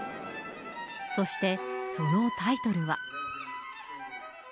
そして、そのタイトルは。